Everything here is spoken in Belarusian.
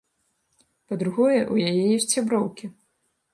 Па-другое, у яе ёсць сяброўкі.